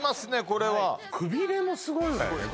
これはくびれもすごいわよね